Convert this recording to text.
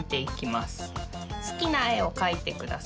すきなえをかいてください。